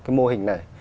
cái mô hình này